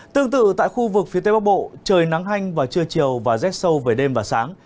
tương tự tại khu vực phía tây bắc bộ trời nắng hanh vào trưa chiều và rét sâu về đêm và sáng